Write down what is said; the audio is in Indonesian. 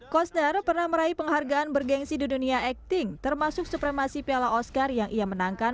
costner pernah meraih penghargaan bergensi di dunia acting termasuk supremasi piala oscar yang ia menangkan